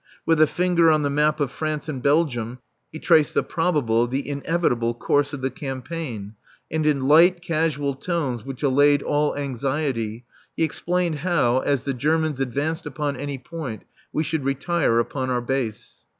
With a finger on the map of France and Belgium he traced the probable, the inevitable, course of the campaign; and in light, casual tones which allayed all anxiety, he explained how, as the Germans advanced upon any point, we should retire upon our base.